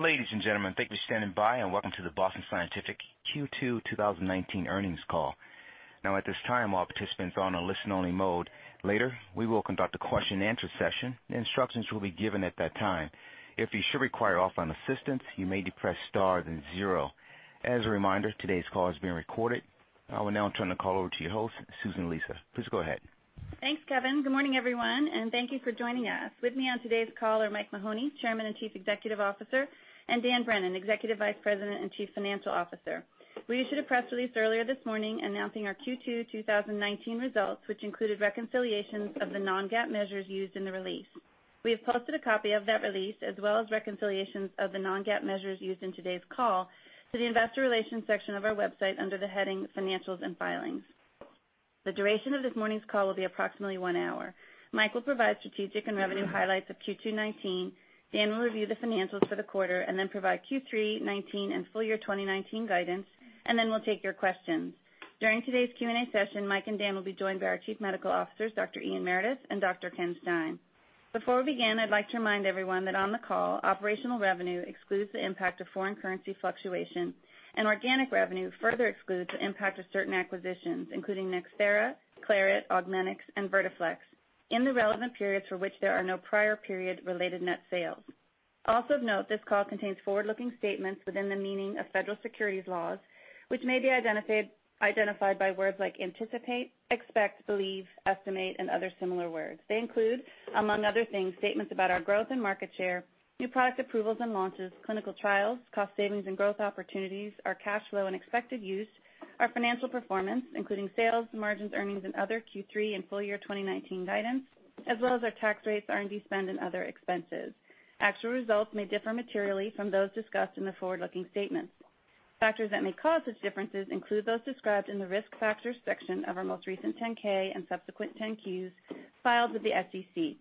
Ladies and gentlemen, thank you for standing by, and welcome to the Boston Scientific Q2 2019 Earnings Call. Now, at this time, all participants are on a listen-only mode. Later, we will conduct a question-and-answer session. Instructions will be given at that time. If you should require offline assistance, you may press star then zero. As a reminder, today's call is being recorded. I will now turn the call over to your host, Susan Lisa. Please go ahead. Thanks, Kevin. Good morning, everyone, and thank you for joining us. With me on today's call are Mike Mahoney, Chairman and Chief Executive Officer, and Dan Brennan, Executive Vice President and Chief Financial Officer. We issued a press release earlier this morning announcing our Q2 2019 results, which included reconciliations of the non-GAAP measures used in the release. We have posted a copy of that release, as well as reconciliations of the non-GAAP measures used in today's call to the investor relations section of our website under the heading Financials and Filings. The duration of this morning's call will be approximately one hour. Mike will provide strategic and revenue highlights of Q2 2019. Dan will review the financials for the quarter and then provide Q3 2019 and full year 2019 guidance, and then we'll take your questions. During today's Q&A session, Mike and Dan will be joined by our chief medical officers, Dr. Ian Meredith and Dr. Ken Stein. Before we begin, I'd like to remind everyone that on the call, operational revenue excludes the impact of foreign currency fluctuation, and organic revenue further excludes the impact of certain acquisitions, including NxThera, Claret, Augmenix, and Vertiflex, in the relevant periods for which there are no prior period-related net sales. Also of note, this call contains forward-looking statements within the meaning of federal securities laws, which may be identified by words like anticipate, expect, believe, estimate and other similar words. They include, among other things, statements about our growth and market share, new product approvals and launches, clinical trials, cost savings and growth opportunities, our cash flow and expected use, our financial performance, including sales, margins, earnings and other Q3 and full year 2019 guidance, as well as our tax rates, R&D spend and other expenses. Actual results may differ materially from those discussed in the forward-looking statements. Factors that may cause such differences include those described in the Risk Factors section of our most recent 10-K and subsequent 10-Qs filed with the SEC.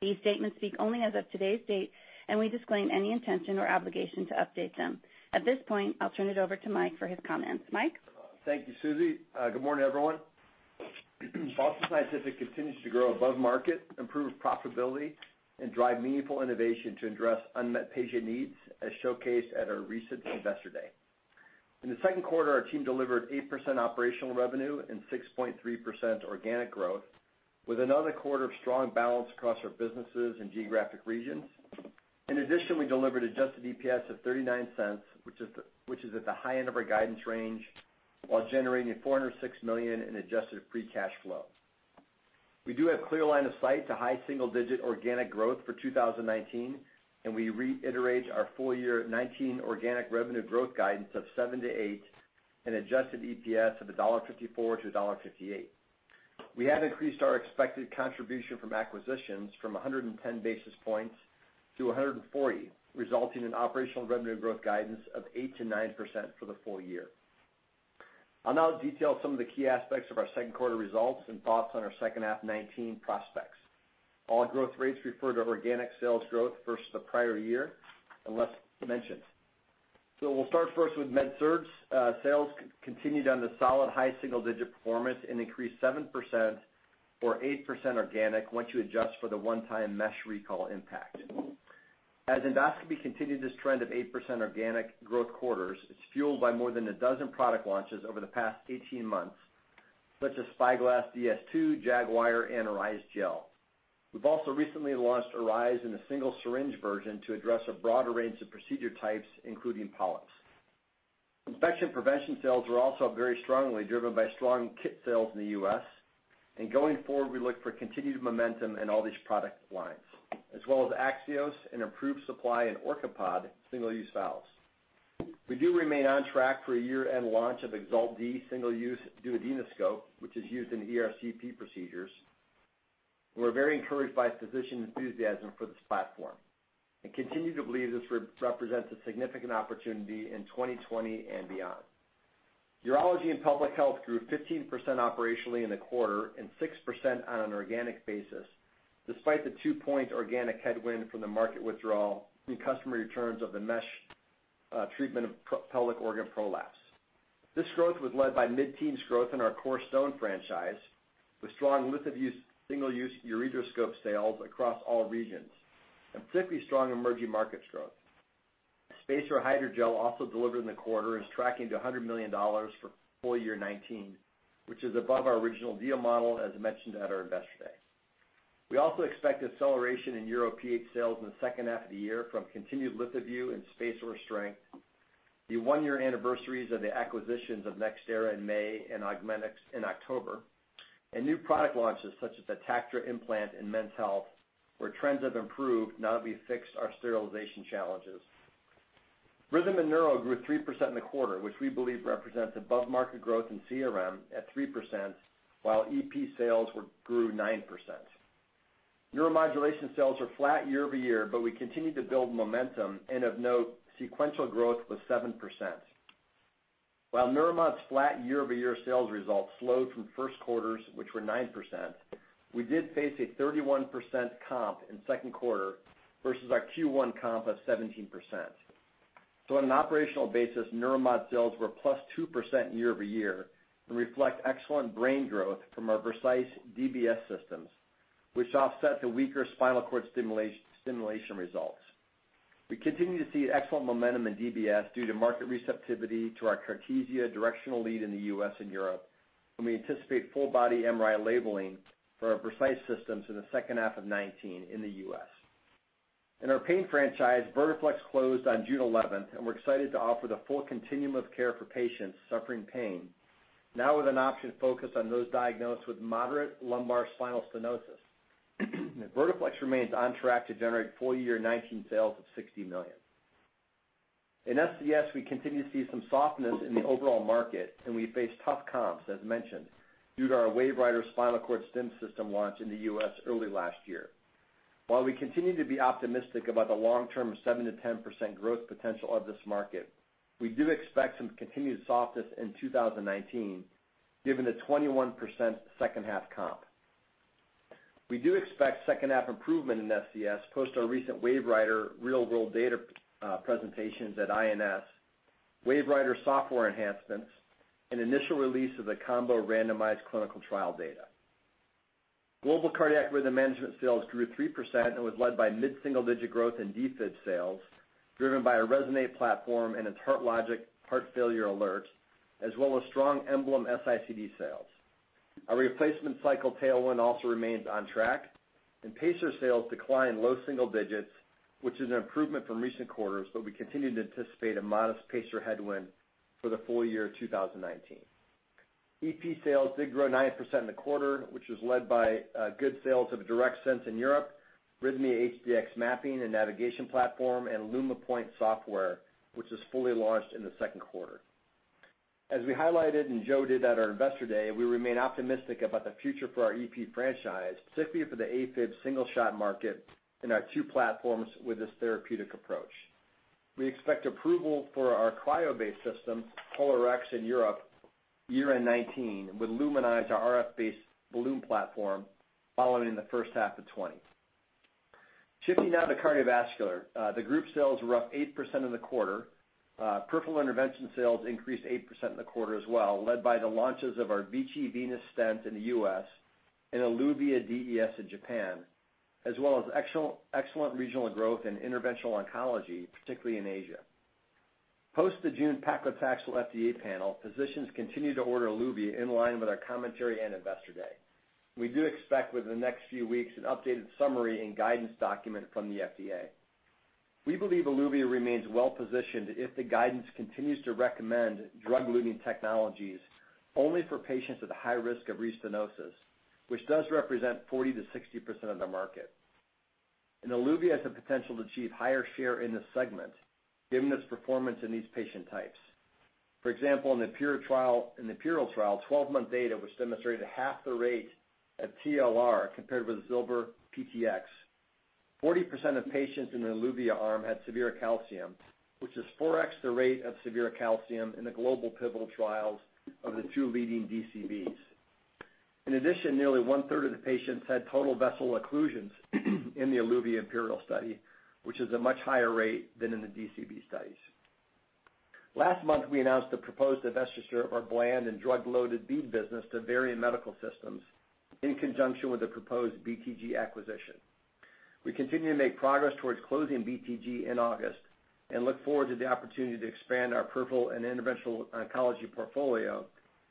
These statements speak only as of today's date, and we disclaim any intention or obligation to update them. At this point, I'll turn it over to Mike for his comments. Mike? Thank you, Suzy. Good morning, everyone. Boston Scientific continues to grow above market, improve profitability and drive meaningful innovation to address unmet patient needs, as showcased at our recent Investor Day. In the second quarter, our team delivered 8% operational revenue and 6.3% organic growth with another quarter of strong balance across our businesses and geographic regions. In addition, we delivered adjusted EPS of $0.39, which is at the high end of our guidance range while generating $406 million in adjusted free cash flow. We do have clear line of sight to high single-digit organic growth for 2019. We reiterate our full year 2019 organic revenue growth guidance of 7%-8% and adjusted EPS of $1.54-$1.58. We have increased our expected contribution from acquisitions from 110 basis points-140 basis points, resulting in operational revenue growth guidance of 8%-9% for the full year. I'll now detail some of the key aspects of our second quarter results and thoughts on our second half 2019 prospects. All growth rates refer to organic sales growth versus the prior year, unless mentioned. We'll start first with MedSurg. Sales continued on the solid high single digit performance and increased 7%, or 8% organic once you adjust for the one-time mesh recall impact. As Endoscopy continued this trend of 8% organic growth quarters, it's fueled by more than a dozen product launches over the past 18 months, such as SpyGlass DS II, Jagwire, and ORISE Gel. We've also recently launched ORISE in a single syringe version to address a broader range of procedure types, including polyps. Infection prevention sales were also up very strongly, driven by strong kit sales in the U.S. Going forward, we look for continued momentum in all these product lines, as well as AXIOS and improved supply in OrcaPod single-use valves. We do remain on track for a year-end launch of EXALT-D Single-use Duodenoscope, which is used in ERCP procedures. We're very encouraged by physician enthusiasm for this platform and continue to believe this represents a significant opportunity in 2020 and beyond. Urology and Pelvic Health grew 15% operationally in the quarter and 6% on an organic basis, despite the two-point organic headwind from the market withdrawal and customer returns of the mesh treatment of pelvic organ prolapse. This growth was led by mid-teens growth in our core Stone franchise, with strong LithoVue single-use ureteroscope sales across all regions and particularly strong emerging markets growth. SpaceOAR Hydrogel also delivered in the quarter and is tracking to $100 million for full year 2019, which is above our original deal model, as mentioned at our Investor Day. We also expect acceleration in UroPH sales in the second half of the year from continued LithoVue and SpaceOAR strength. The one-year anniversaries of the acquisitions of NxThera in May and Augmenix in October, and new product launches such as Tactra implant in men's health, where trends have improved now that we fixed our sterilization challenges. Rhythm and Neuro grew 3% in the quarter, which we believe represents above-market growth in CRM at 3%, while EP sales grew 9%. Neuromodulation sales are flat year-over-year, but we continue to build momentum, and of note, sequential growth was 7%. While Neuromod's flat year-over-year sales results slowed from first quarters, which were 9%, we did face a 31% comp in second quarter versus our Q1 comp of 17%. On an operational basis, Neuromod sales were +2% year-over-year and reflect excellent brain growth from our Vercise DBS Systems, which offset the weaker spinal cord stimulation results. We continue to see excellent momentum in DBS due to market receptivity to our Cartesia Directional Lead in the U.S. and Europe, and we anticipate full body MRI labeling for our Vercise systems in the second half of 2019 in the U.S. In our pain franchise, Vertiflex closed on June 11th, and we're excited to offer the full continuum of care for patients suffering pain, now with an option focused on those diagnosed with moderate lumbar spinal stenosis. Vertiflex remains on track to generate full year 2019 sales of $60 million. In SCS, we continue to see some softness in the overall market, and we face tough comps, as mentioned, due to our WaveWriter spinal cord stim system launch in the U.S. early last year. While we continue to be optimistic about the long-term 7%-10% growth potential of this market, we do expect some continued softness in 2019, given the 21% second half comp. We do expect second half improvement in SCS post our recent WaveWriter real world data presentations at INS, WaveWriter software enhancements, and initial release of the COMBO randomized clinical trial data. Global Cardiac Rhythm Management sales grew 3% and was led by mid-single-digit growth in defib sales, driven by our RESONATE platform and its HeartLogic heart failure alerts, as well as strong EMBLEM S-ICD sales. Our replacement cycle tailwind also remains on track, and pacer sales decline low single digits, which is an improvement from recent quarters, but we continue to anticipate a modest pacer headwind for the full year 2019. EP sales did grow 9% in the quarter, which was led by good sales of DIRECTSENSE in Europe, RHYTHMIA HDx mapping and navigation platform, and LUMIPOINT software, which is fully launched in the second quarter. As we highlighted, and Joe did at our Investor Day, we remain optimistic about the future for our EP franchise, specifically for the AFib single shot market and our two platforms with this therapeutic approach. We expect approval for our cryo-based system, POLARx, in Europe year-end 2019, with LUMINIZE, our RF-based balloon platform, following in the first half of 2020. Shifting now to cardiovascular. The group sales were up 8% in the quarter. Peripheral Intervention sales increased 8% in the quarter as well, led by the launches of our VICI Venous Stent in the U.S. and Eluvia DES in Japan, as well as excellent regional growth in interventional oncology, particularly in Asia. Post the June paclitaxel FDA panel, physicians continue to order Eluvia in line with our commentary and Investor Day. We do expect within the next few weeks an updated summary and guidance document from the FDA. We believe Eluvia remains well-positioned if the guidance continues to recommend drug-eluting technologies only for patients at a high risk of restenosis, which does represent 40%-60% of the market. Eluvia has the potential to achieve higher share in this segment given its performance in these patient types. For example, in the IMPERIAL Trial, 12-month data, which demonstrated half the rate of TLR compared with Zilver PTX. 40% of patients in the Eluvia arm had severe calcium, which is 4x the rate of severe calcium in the global pivotal trials of the two leading DCBs. Nearly one-third of the patients had total vessel occlusions in the Eluvia IMPERIAL study, which is a much higher rate than in the DCB studies. Last month, we announced the proposed divestiture of our bland and drug-loaded bead business to Varian Medical Systems in conjunction with the proposed BTG acquisition. We continue to make progress towards closing BTG in August and look forward to the opportunity to expand our Peripheral and Interventional Oncology portfolio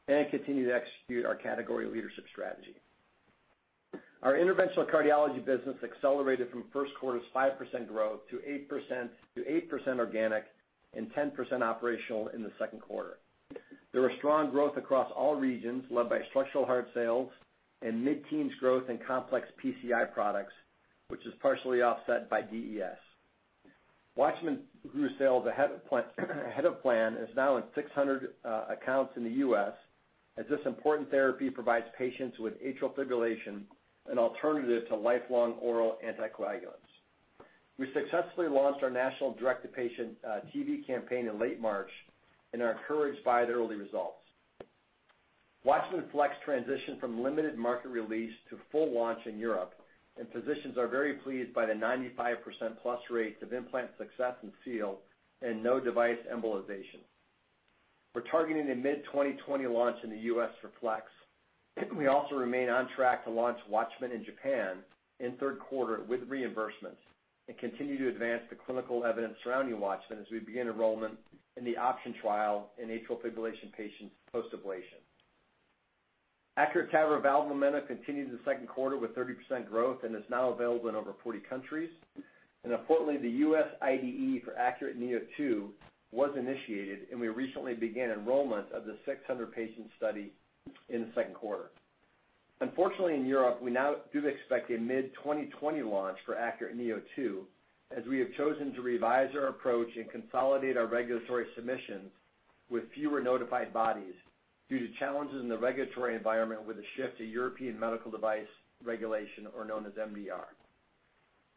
and continue to execute our category leadership strategy. Our interventional cardiology business accelerated from first quarter's 5% growth to 8% organic and 10% operational in the second quarter. There was strong growth across all regions, led by structural heart sales and mid-teens growth in complex PCI products, which is partially offset by DES. WATCHMAN grew sales ahead of plan and is now in 600 accounts in the U.S. as this important therapy provides patients with atrial fibrillation an alternative to lifelong oral anticoagulants. We successfully launched our national direct-to-patient TV campaign in late March and are encouraged by the early results. WATCHMAN FLX transitioned from limited market release to full launch in Europe, and physicians are very pleased by the 95+% rates of implant success and seal and no device embolization. We're targeting a mid-2020 launch in the U.S. for FLX. We also remain on track to launch WATCHMAN in Japan in third quarter with reimbursements and continue to advance the clinical evidence surrounding WATCHMAN as we begin enrollment in the OPTION trial in atrial fibrillation patient's post-ablation. ACURATE TAVR valve [momentum] continued the second quarter with 30% growth and is now available in over 40 countries. Importantly, the U.S. IDE for ACURATE neo2 was initiated, and we recently began enrollment of the 600-patient study in the second quarter. Unfortunately, in Europe, we now do expect a mid-2020 launch for ACURATE neo2, as we have chosen to revise our approach and consolidate our regulatory submissions with fewer notified bodies due to challenges in the regulatory environment with the shift to European Medical Device Regulation, or known as MDR.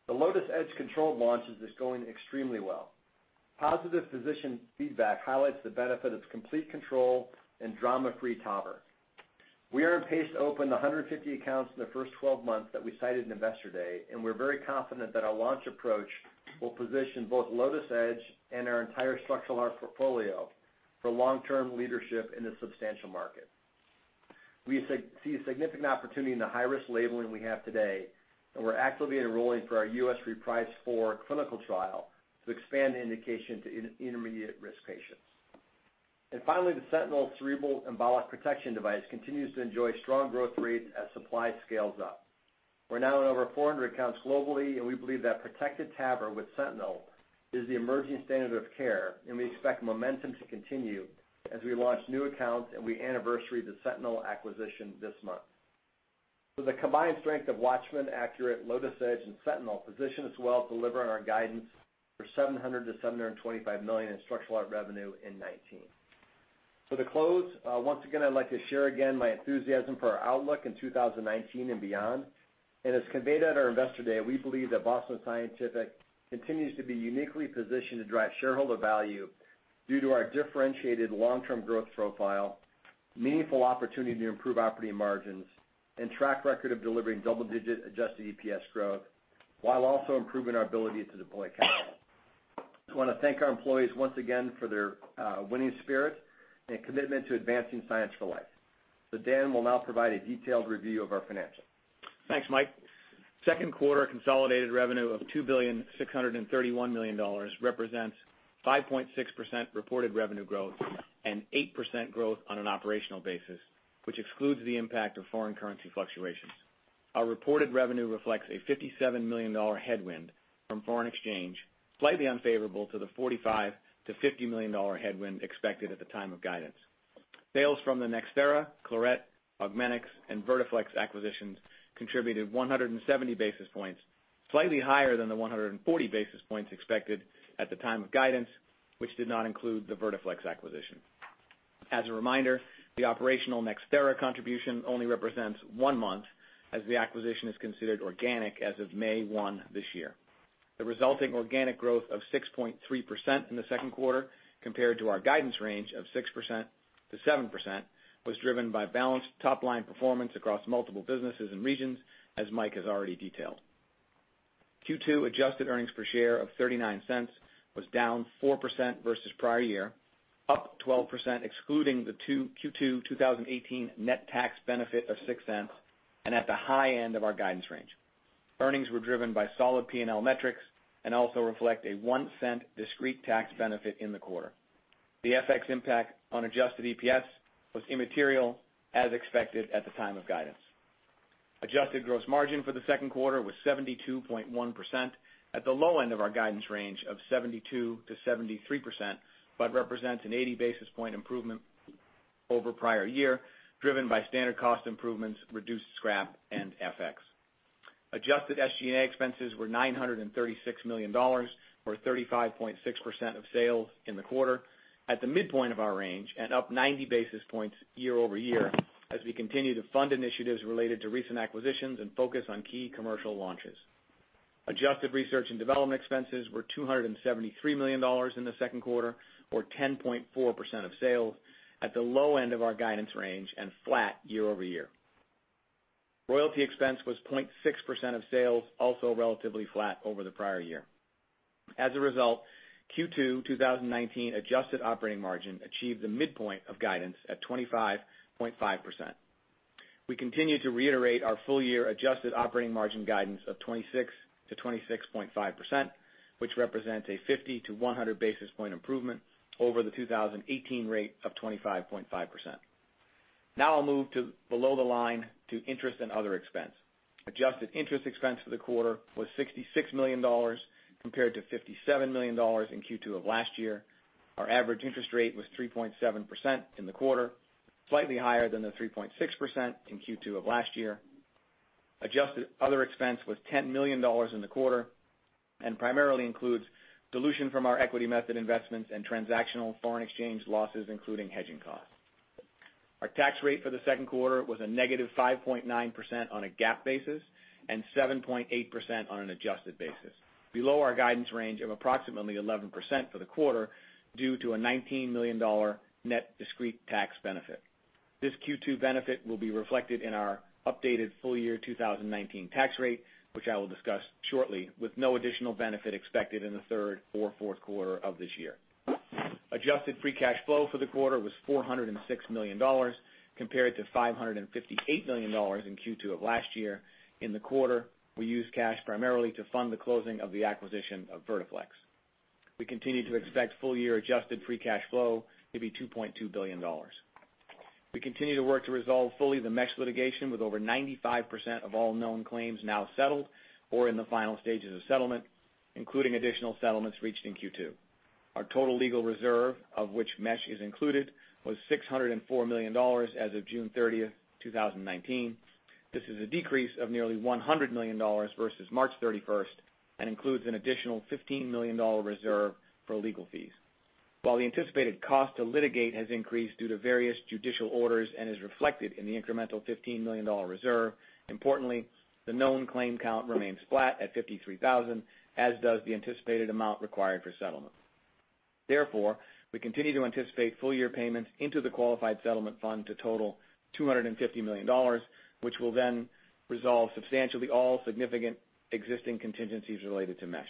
The LOTUS Edge controlled launch is going extremely well. Positive physician feedback highlights the benefit of complete control and drama-free TAVR. We are on pace to open 150 accounts in the first 12 months that we cited in Investor Day, and we're very confident that our launch approach will position both LOTUS Edge and our entire structural heart portfolio for long-term leadership in this substantial market. We see a significant opportunity in the high-risk labeling we have today, and we're actively enrolling for our U.S. REPRISE IV clinical trial to expand the indication to intermediate risk patients. Finally, the SENTINEL cerebral embolic protection device continues to enjoy strong growth rates as supply scales up. We're now in over 400 accounts globally, and we believe that protected TAVR with SENTINEL is the emerging standard of care, and we expect momentum to continue as we launch new accounts and we anniversary the SENTINEL acquisition this month. The combined strength of WATCHMAN, ACURATE, LOTUS Edge, and SENTINEL position us well to deliver on our guidance for $700 million-$725 million in structural heart revenue in 2019. For the close, once again, I'd like to share again my enthusiasm for our outlook in 2019 and beyond. As conveyed at our Investor Day, we believe that Boston Scientific continues to be uniquely positioned to drive shareholder value due to our differentiated long-term growth profile, meaningful opportunity to improve operating margins, and track record of delivering double-digit adjusted EPS growth, while also improving our ability to deploy capital. Just want to thank our employees once again for their winning spirit and commitment to advancing science for life. Dan will now provide a detailed review of our financials. Thanks, Mike. Second quarter consolidated revenue of $2,631,000,000 represents 5.6% reported revenue growth and 8% growth on an operational basis, which excludes the impact of foreign currency fluctuations. Our reported revenue reflects a $57 million headwind from foreign exchange, slightly unfavorable to the $45 million-$50 million headwind expected at the time of guidance. Sales from the NxThera, Claret, Augmenix, and Vertiflex acquisitions contributed 170 basis points, slightly higher than the 140 basis points expected at the time of guidance, which did not include the Vertiflex acquisition. As a reminder, the operational NxThera contribution only represents one month as the acquisition is considered organic as of May 1 this year. The resulting organic growth of 6.3% in the second quarter compared to our guidance range of 6%-7% was driven by balanced top-line performance across multiple businesses and regions, as Mike has already detailed. Q2 adjusted earnings per share of $0.39 was down 4% versus prior year, up 12% excluding the Q2 2018 net tax benefit of $0.06, and at the high end of our guidance range. Earnings were driven by solid P&L metrics and also reflect a $0.01 discrete tax benefit in the quarter. The FX impact on adjusted EPS was immaterial as expected at the time of guidance. Adjusted gross margin for the second quarter was 72.1% at the low end of our guidance range of 72%-73%, but represents an 80 basis point improvement over prior year, driven by standard cost improvements, reduced scrap, and FX. Adjusted SG&A expenses were $936 million, or 35.6% of sales in the quarter, at the midpoint of our range and up 90 basis points year-over-year as we continue to fund initiatives related to recent acquisitions and focus on key commercial launches. Adjusted research and development expenses were $273 million in the second quarter, or 10.4% of sales, at the low end of our guidance range and flat year-over-year. Royalty expense was 0.6% of sales, also relatively flat over the prior year. As a result, Q2 2019 adjusted operating margin achieved the midpoint of guidance at 25.5%. We continue to reiterate our full-year adjusted operating margin guidance of 26%-26.5%, which represents a 50 basis point-100 basis point improvement over the 2018 rate of 25.5%. Now I'll move to below the line to interest and other expense. Adjusted interest expense for the quarter was $66 million compared to $57 million in Q2 of last year. Our average interest rate was 3.7% in the quarter, slightly higher than the 3.6% in Q2 of last year. Adjusted other expense was $10 million in the quarter and primarily includes dilution from our equity method investments and transactional foreign exchange losses, including hedging costs. Our tax rate for the second quarter was a negative 5.9% on a GAAP basis and 7.8% on an adjusted basis, below our guidance range of approximately 11% for the quarter due to a $19 million net discrete tax benefit. This Q2 benefit will be reflected in our updated full-year 2019 tax rate, which I will discuss shortly, with no additional benefit expected in the third or fourth quarter of this year. Adjusted free cash flow for the quarter was $406 million compared to $558 million in Q2 of last year. In the quarter, we used cash primarily to fund the closing of the acquisition of Vertiflex. We continue to expect full-year adjusted free cash flow to be $2.2 billion. We continue to work to resolve fully the mesh litigation with over 95% of all known claims now settled or in the final stages of settlement, including additional settlements reached in Q2. Our total legal reserve, of which mesh is included, was $604 million as of June 30, 2019. This is a decrease of nearly $100 million versus March 31st and includes an additional $15 million reserve for legal fees. While the anticipated cost to litigate has increased due to various judicial orders and is reflected in the incremental $15 million reserve, importantly, the known claim count remains flat at 53,000, as does the anticipated amount required for settlement. Therefore, we continue to anticipate full-year payments into the qualified settlement fund to total $250 million, which will then resolve substantially all significant existing contingencies related to mesh.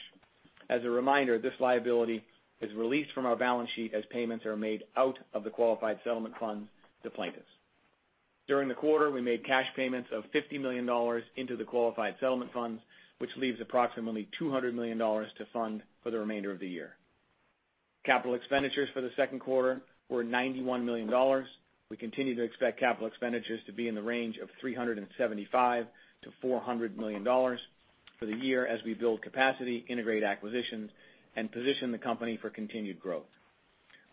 As a reminder, this liability is released from our balance sheet as payments are made out of the qualified settlement fund to plaintiffs. During the quarter, we made cash payments of $50 million into the qualified settlement funds, which leaves approximately $200 million to fund for the remainder of the year. Capital expenditures for the second quarter were $91 million. We continue to expect capital expenditures to be in the range of $375 million to $400 million for the year as we build capacity, integrate acquisitions, and position the company for continued growth.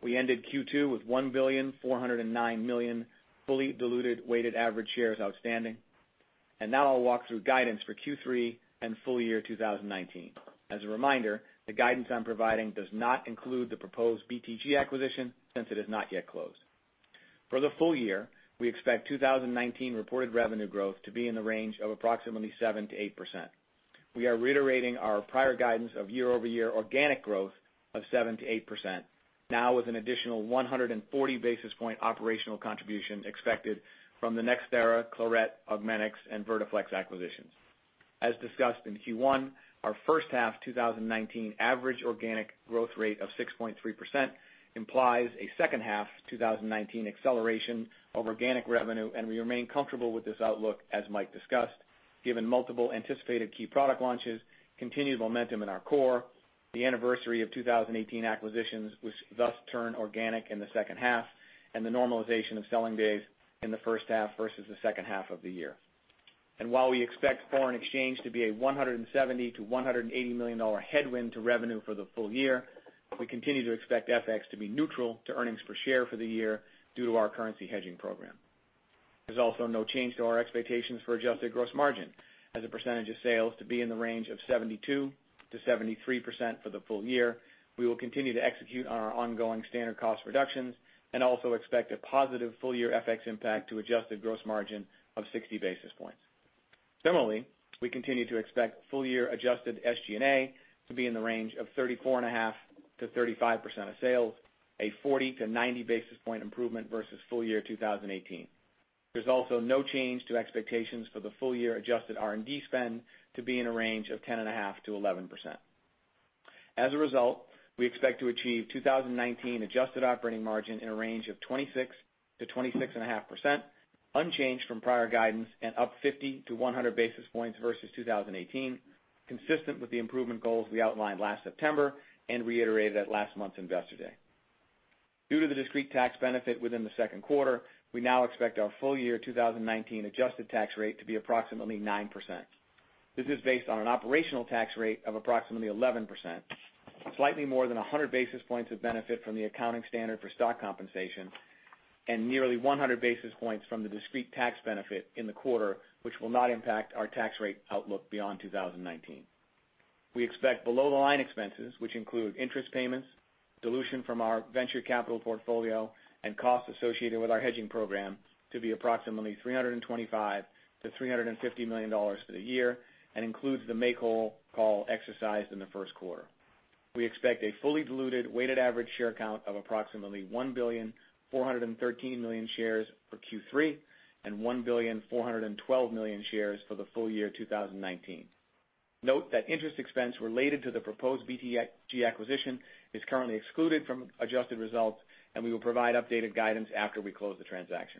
We ended Q2 with 1.409 billion fully diluted weighted average shares outstanding. Now I'll walk through guidance for Q3 and full year 2019. As a reminder, the guidance I'm providing does not include the proposed BTG acquisition, since it has not yet closed. For the full year, we expect 2019 reported revenue growth to be in the range of approximately 7%-8%. We are reiterating our prior guidance of year-over-year organic growth of 7%-8%, now with an additional 140 basis point operational contribution expected from the NxThera, Claret, Augmenix, and Vertiflex acquisitions. As discussed in Q1, our first half 2019 average organic growth rate of 6.3% implies a second half 2019 acceleration of organic revenue. We remain comfortable with this outlook as Mike discussed, given multiple anticipated key product launches, continued momentum in our core, the anniversary of 2018 acquisitions which thus turn organic in the second half, and the normalization of selling days in the first half versus the second half of the year. While we expect foreign exchange to be a $170 million-$180 million headwind to revenue for the full year, we continue to expect FX to be neutral to earnings per share for the year due to our currency hedging program. There's also no change to our expectations for adjusted gross margin as a percentage of sales to be in the range of 72%-73% for the full year. We will continue to execute on our ongoing standard cost reductions and also expect a positive full-year FX impact to adjusted gross margin of 60 basis points. Similarly, we continue to expect full-year adjusted SG&A to be in the range of 34.5%-35% of sales, a 40 to 90 basis point improvement versus full year 2018. There's also no change to expectations for the full-year adjusted R&D spend to be in a range of 10.5%-11%. As a result, we expect to achieve 2019 adjusted operating margin in a range of 26%-26.5%, unchanged from prior guidance and up 50 basis points-100 basis points versus 2018, consistent with the improvement goals we outlined last September and reiterated at last month's investor day. Due to the discrete tax benefit within the second quarter, we now expect our full-year 2019 adjusted tax rate to be approximately 9%. This is based on an operational tax rate of approximately 11%, slightly more than 100 basis points of benefit from the accounting standard for stock compensation and nearly 100 basis points from the discrete tax benefit in the quarter, which will not impact our tax rate outlook beyond 2019. We expect below-the-line expenses, which include interest payments, dilution from our venture capital portfolio, and costs associated with our hedging program, to be approximately $325 million-$350 million for the year and includes the make-whole call exercised in the first quarter. We expect a fully diluted weighted average share count of approximately 1.413 billion shares for Q3 and 1.412 billion shares for the full year 2019. Note that interest expense related to the proposed BTG acquisition is currently excluded from adjusted results. We will provide updated guidance after we close the transaction.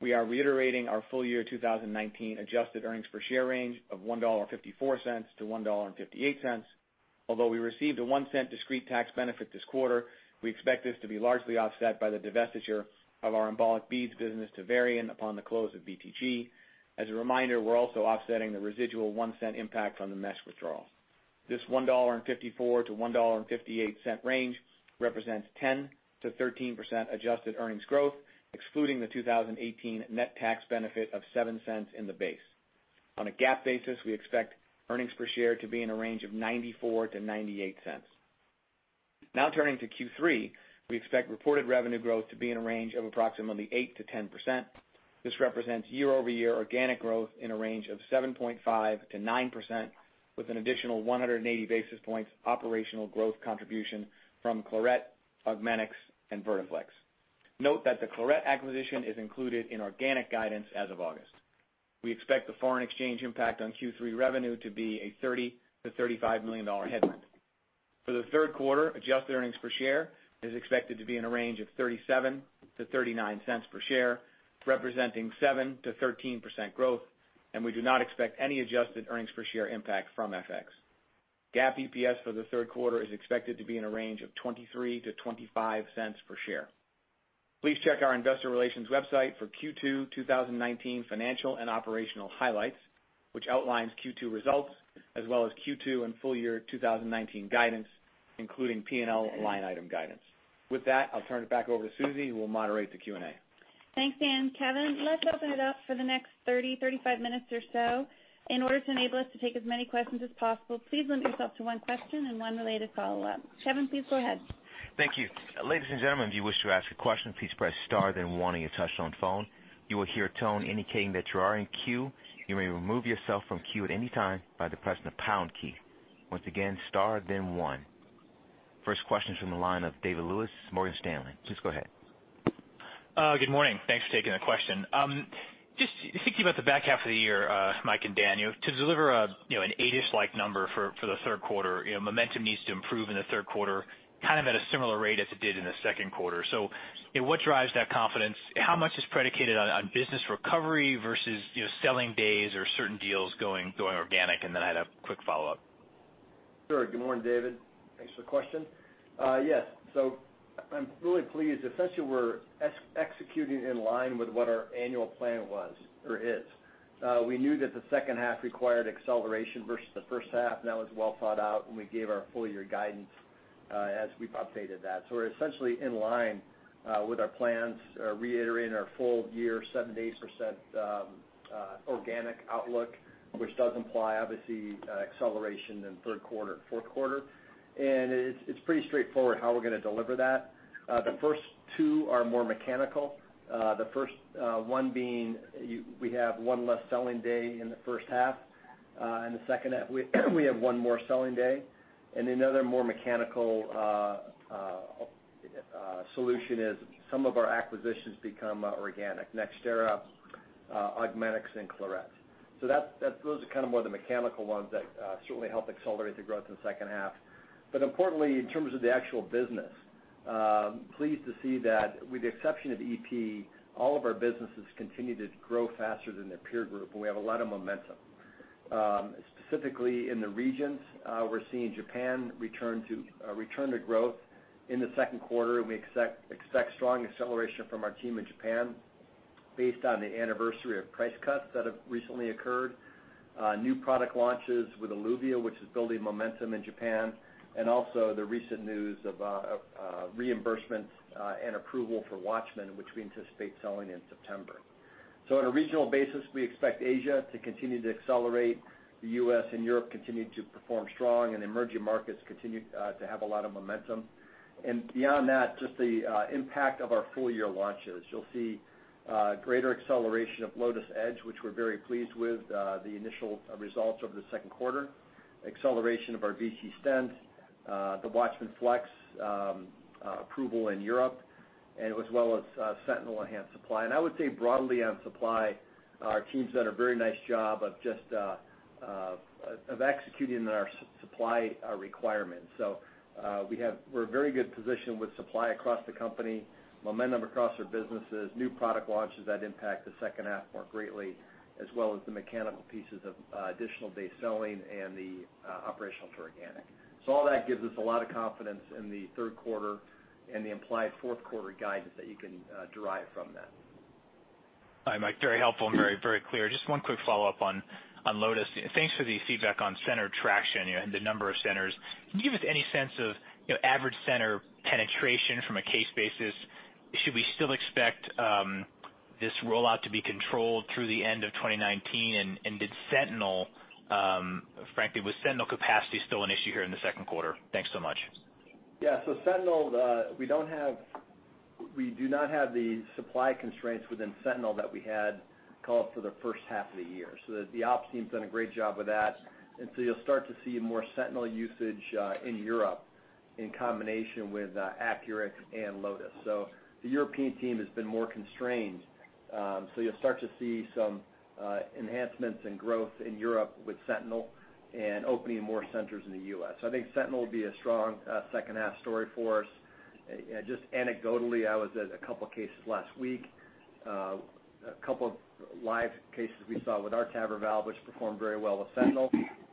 We are reiterating our full year 2019 adjusted earnings per share range of $1.54-$1.58. Although we received a $0.01 discrete tax benefit this quarter, we expect this to be largely offset by the divestiture of our embolic beads business to Varian upon the close of BTG. As a reminder, we're also offsetting the residual $0.01 impact from the mesh withdrawal. This $1.54-$1.58 range represents 10%-13% adjusted earnings growth, excluding the 2018 net tax benefit of $0.07 in the base. On a GAAP basis, we expect earnings per share to be in a range of $0.94-$0.98. Now turning to Q3, we expect reported revenue growth to be in a range of approximately 8%-10%. This represents year-over-year organic growth in a range of 7.5%-9% with an additional 180 basis points operational growth contribution from Claret, Augmenix, and Vertiflex. Note that the Claret acquisition is included in organic guidance as of August. We expect the foreign exchange impact on Q3 revenue to be a $30 million-$35 million headwind. For the third quarter, adjusted earnings per share is expected to be in a range of $0.37-$0.39 per share, representing 7%-13% growth, and we do not expect any adjusted earnings per share impact from FX. GAAP EPS for the third quarter is expected to be in a range of $0.23-$0.25 per share. Please check our investor relations website for Q2 2019 financial and operational highlights, which outlines Q2 results as well as Q2 and full year 2019 guidance, including P&L line-item guidance. With that, I'll turn it back over to Suzy, who will moderate the Q&A. Thanks, Dan. Kevin, let's open it up for the next 30 minutes, 35 minutes or so. In order to enable us to take as many questions as possible, please limit yourself to one question and one related follow-up. Kevin, please go ahead. Thank you. Ladies and gentlemen, if you wish to ask a question, please press star then one on your touchtone phone. You will hear a tone indicating that you are in queue. You may remove yourself from queue at any time by pressing the pound key. Once again, star then one. First question's from the line of David Lewis, Morgan Stanley. Please go ahead. Good morning. Thanks for taking the question. Just thinking about the back half of the year, Mike and Dan, to deliver [8-ish] like number for the third quarter, momentum needs to improve in the third quarter kind of at a similar rate as it did in the second quarter. What drives that confidence? How much is predicated on business recovery versus selling days or certain deals going organic? I had a quick follow-up. Sure. Good morning, David. Thanks for the question. Yes. I'm really pleased. Essentially, we're executing in line with what our annual plan was, or is. We knew that the second half required acceleration versus the first half, and that was well thought out when we gave our full-year guidance, as we've updated that. We're essentially in line with our plans, reiterating our full year 7%-8% organic outlook, which does imply, obviously, acceleration in third quarter, fourth quarter. It's pretty straightforward how we're going to deliver that. The first two are more mechanical. The first one being we have one less selling day in the first half. In the second half we have one more selling day. Another more mechanical solution is some of our acquisitions become organic, NxThera, Augmenix, and Claret. Those are kind of more the mechanical ones that certainly help accelerate the growth in the second half. Importantly, in terms of the actual business, pleased to see that with the exception of EP, all of our businesses continue to grow faster than their peer group, and we have a lot of momentum. Specifically in the regions, we're seeing Japan return to growth in the second quarter, and we expect strong acceleration from our team in Japan based on the anniversary of price cuts that have recently occurred. New product launches with Eluvia, which is building momentum in Japan, and also the recent news of reimbursement and approval for WATCHMAN, which we anticipate selling in September. On a regional basis, we expect Asia to continue to accelerate, the U.S. and Europe continue to perform strong, and emerging markets continue to have a lot of momentum. Beyond that, just the impact of our full-year launches. You'll see greater acceleration of LOTUS Edge, which we're very pleased with the initial results over the second quarter, acceleration of our VICI Stent, the WATCHMAN FLX approval in Europe, and as well as SENTINEL enhanced supply. I would say broadly on supply, our team's done a very nice job of executing our supply requirements. We're very good positioned with supply across the company, momentum across our businesses, new product launches that impact the second half more greatly, as well as the mechanical pieces of additional [days] selling and the operational to organic. All that gives us a lot of confidence in the third quarter and the implied fourth quarter guidance that you can derive from that. Hi, Mike, very helpful and very clear. Just one quick follow-up on LOTUS. Thanks for the feedback on center traction and the number of centers. Can you give us any sense of average center penetration from a case basis? Should we still expect this rollout to be controlled through the end of 2019? Did SENTINEL, frankly, was SENTINEL capacity still an issue here in the second quarter? Thanks so much. SENTINEL, we do not have the supply constraints within SENTINEL that we had called for the first half of the year. The ops team's done a great job with that. You'll start to see more SENTINEL usage in Europe in combination with ACURATE and LOTUS. The European team has been more constrained. You'll start to see some enhancements in growth in Europe with Sentinel and opening more centers in the U.S. I think Sentinel will be a strong second half story for us. Just anecdotally, I was at a couple of cases last week. A couple of live cases we saw with our TAVR valve, which performed very well with SENTINEL.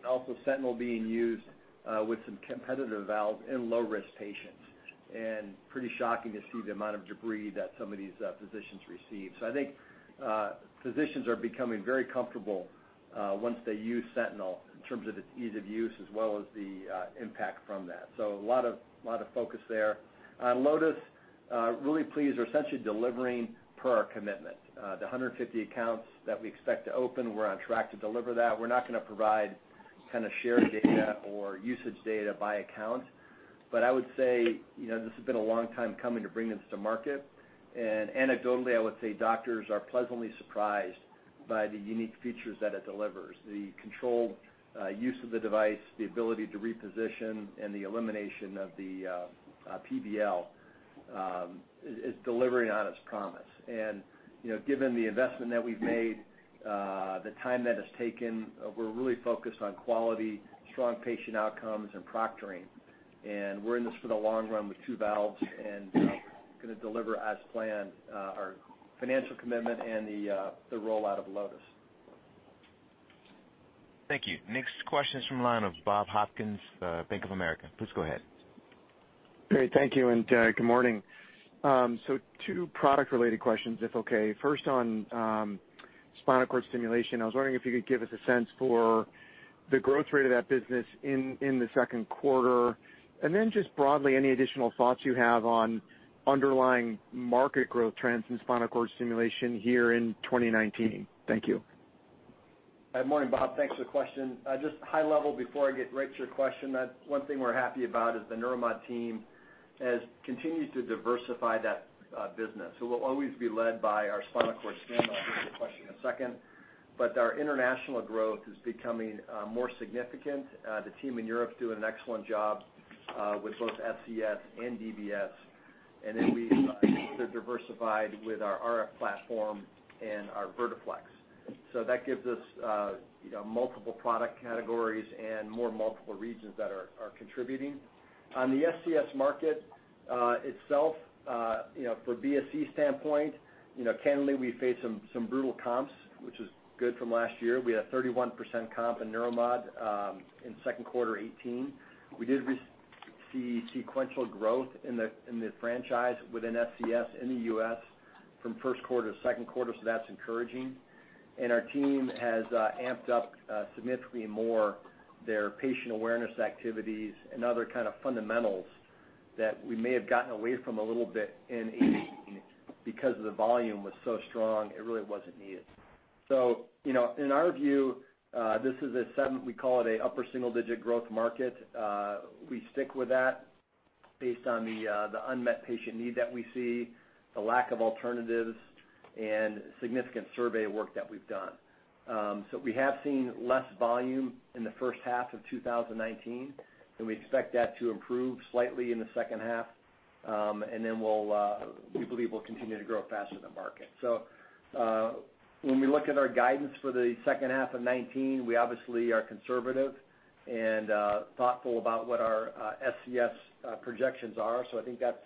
Also SENTINEL being used with some competitive valves in low-risk patients. Pretty shocking to see the amount of debris that some of these physicians receive. I think physicians are becoming very comfortable once they use SENTINEL in terms of its ease of use as well as the impact from that. A lot of focus there. On LOTUS, really pleased. We're essentially delivering per our commitment. The 150 accounts that we expect to open, we're on track to deliver that. We're not going to provide kind of shared data or usage data by account. I would say, this has been a long time coming to bring this to market. Anecdotally, I would say doctors are pleasantly surprised by the unique features that it delivers. The controlled use of the device, the ability to reposition, and the elimination of the PVL is delivering on its promise. Given the investment that we've made, the time that it's taken, we're really focused on quality, strong patient outcomes, and proctoring. We're in this for the long run with two valves and going to deliver as planned our financial commitment and the rollout of LOTUS. Thank you. Next question is from the line of Bob Hopkins, Bank of America. Please go ahead. Great. Thank you, and good morning. Two product-related questions, if okay. First on spinal cord stimulation. I was wondering if you could give us a sense for the growth rate of that business in the second quarter, and then just broadly any additional thoughts you have on underlying market growth trends in spinal cord stimulation here in 2019. Thank you. Good morning, Bob. Thanks for the question. Just high level before I get right to your question, one thing we're happy about is the Neuromod team has continued to diversify that business. It will always be led by our spinal cord stimulator in a second. Our international growth is becoming more significant. The team in Europe doing an excellent job with both SCS and DBS. Then we further diversified with our RF platform and our Vertiflex. That gives us multiple product categories and more multiple regions that are contributing. On the SCS market itself, for BSC standpoint, candidly, we face some brutal comps, which is good from last year. We had 31% comp in Neuromod in second quarter 2018. We did see sequential growth in the franchise within SCS in the U.S. from first quarter to second quarter, so that's encouraging. Our team has amped up significantly more their patient awareness activities and other kind of fundamentals that we may have gotten away from a little bit in 2018 because the volume was so strong it really wasn't needed. In our view, this is a segment, we call it a upper single-digit growth market. We stick with that based on the unmet patient need that we see, the lack of alternatives, and significant survey work that we've done. We have seen less volume in the first half of 2019, and we expect that to improve slightly in the second half. Then we believe we'll continue to grow faster than market. When we look at our guidance for the second half of 2019, we obviously are conservative and thoughtful about what our SCS projections are. I think that's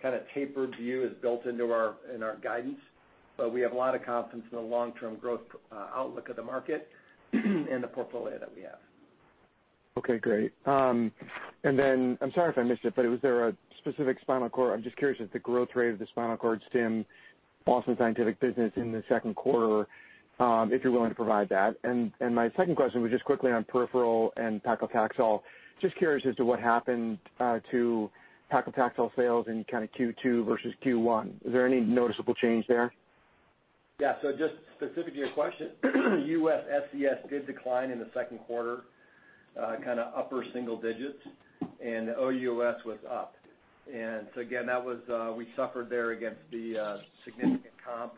kind of tapered view is built into our guidance. We have a lot of confidence in the long-term growth outlook of the market and the portfolio that we have. Okay, great. Then, I'm sorry if I missed it, but I'm just curious if the growth rate of the spinal cord stim Boston Scientific business in the second quarter, if you're willing to provide that. My second question was just quickly on peripheral and paclitaxel. Just curious as to what happened to paclitaxel sales in kind of Q2 versus Q1. Is there any noticeable change there? Yeah, just specific to your question, U.S. SCS did decline in the second quarter, kind of upper single digits. OUS was up. Again, we suffered there against the significant comp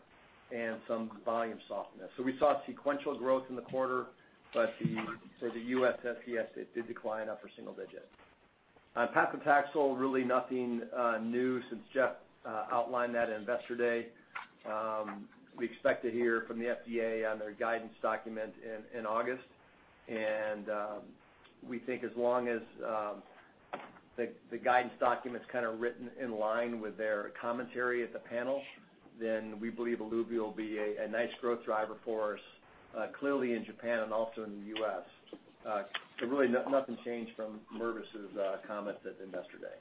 and some volume softness. We saw sequential growth in the quarter, but the U.S. SCS, it did decline upper single digit. On paclitaxel, really nothing new since Jeff outlined that at Investor Day. We expect to hear from the FDA on their guidance document in August. We think as long as the guidance document's kind of written in line with their commentary at the panel, then we believe Eluvia will be a nice growth driver for us, clearly in Japan and also in the U.S. Really nothing changed from Mirviss's comments at the Investor Day.